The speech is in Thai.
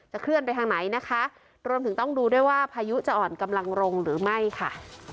เคลื่อนไปทางไหนนะคะรวมถึงต้องดูด้วยว่าพายุจะอ่อนกำลังลงหรือไม่ค่ะ